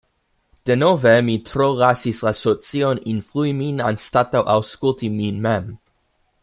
Denove, mi tro lasis la socion influi min anstataŭ aŭskulti min mem.